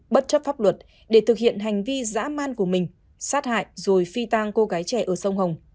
bất chấp pháp luật để thực hiện hành vi giã man của mình sát hại rồi phi tang cô gái trẻ ở sông hồng